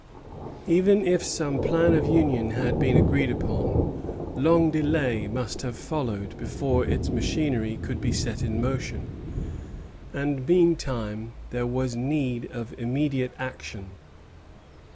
Even if some plan of union had been agreed upon, long delay must have followed before its machinery could be set in motion; and meantime there was need of immediate action.